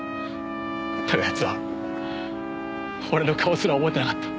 だが奴は俺の顔すら覚えてなかった。